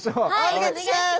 お願いします！